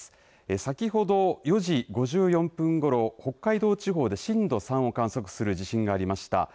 先ほど４時５４分ごろ北海道地方で震度３を観測する地震がありました。